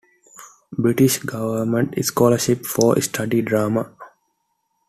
British government scholarship for study drama.